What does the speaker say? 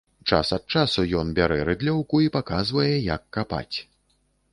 Час ад часу ён бярэ рыдлёўку і паказвае, як капаць.